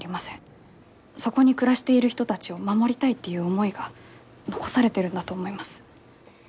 そこに暮らしている人たちを守りたいっていう思いが残されてるんだと思います。